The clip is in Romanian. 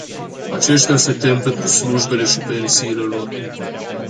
Aceștia se tem pentru slujbele și pensiile lor.